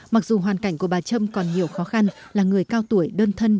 mặc dù hoàn cảnh của bà trâm còn nhiều khó khăn là người cao tuổi đơn thân